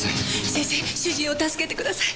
先生主人を助けてください。